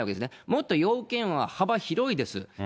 もっと要件は幅広いです。